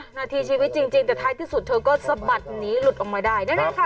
นาทีชีวิตจริงแต่ท้ายที่สุดเธอก็สะบัดหนีหลุดออกมาได้แน่ค่ะ